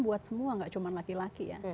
buat semua gak cuma laki laki ya